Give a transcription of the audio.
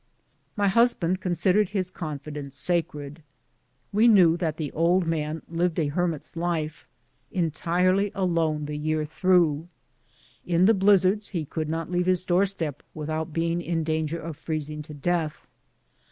My husband considered his confidence sacred. We knew that the old man lived a hermit's life, entirely 158 BOOTS AND SADDLES. alone the year through. In the blizzards he could not leave his door step without being in danger of freezing to death.